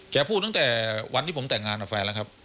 พูดตั้งแต่วันที่ผมแต่งงานกับแฟนแล้วครับ